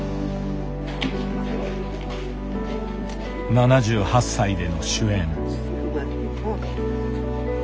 ７８歳での主演。